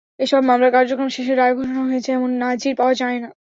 এসব মামলার কার্যক্রম শেষে রায় ঘোষণা হয়েছে—এমন নজির পাওয়া যায় না।